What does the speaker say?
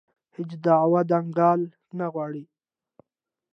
هېڅ دعوا دنګله نه غواړي